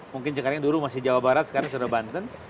mungkin sekarang dulu masih jawa barat sekarang sudah banten